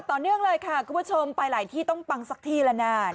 ต่อเนื่องเลยค่ะคุณผู้ชมไปหลายที่ต้องปังสักที่แล้วนะ